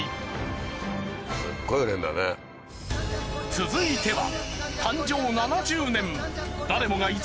続いては。